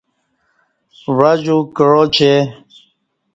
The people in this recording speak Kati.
و عجو کعا چہ